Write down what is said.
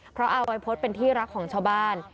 เพราะอาวัยพฤษเป็นที่รักของชาวบ้าน